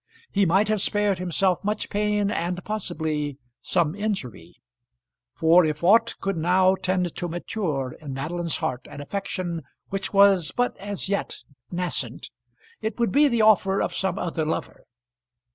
He might have spared himself much pain, and possibly some injury; for if aught could now tend to mature in Madeline's heart an affection which was but as yet nascent, it would be the offer of some other lover.